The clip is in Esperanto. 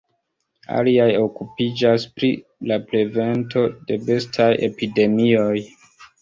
Aliaj okupiĝas pri la prevento de bestaj epidemioj.